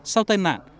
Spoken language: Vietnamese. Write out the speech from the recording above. sau tai nạn